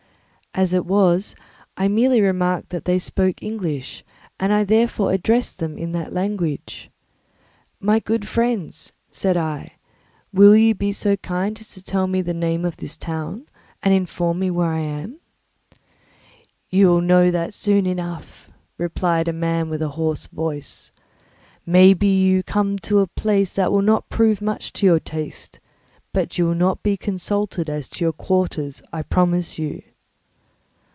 As it was, I merely remarked that they spoke English, and I therefore addressed them in that language. "My good friends," said I, "will you be so kind as to tell me the name of this town and inform me where I am?" "You will know that soon enough," replied a man with a hoarse voice. "Maybe you are come to a place that will not prove much to your taste, but you will not be consulted as to your quarters, I promise you."